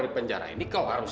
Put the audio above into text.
tunggu malasanku raka